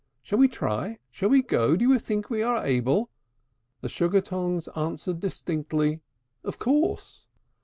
Shall we try? Shall we go? Do you think we are able?" The Sugar tongs answered distinctly, "Of course!"